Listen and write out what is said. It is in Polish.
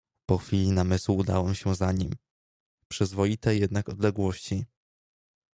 "Po chwili namysłu udałem się za nim, w przyzwoitej jednak odległości."